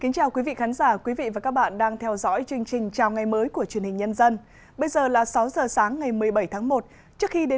chào mừng quý vị đến với bộ phim hãy nhớ like share và đăng ký kênh của chúng mình nhé